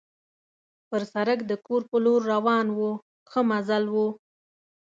پر سړک د کور په لور روان وو، ښه مزل وو.